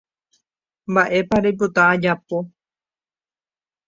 Mba'épa reipota ajapo